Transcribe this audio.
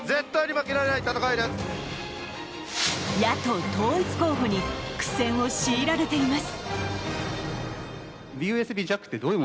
野党統一候補に苦戦を強いられています。